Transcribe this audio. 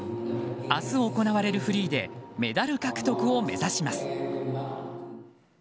明日行われるフリーでメダル獲得を目指します。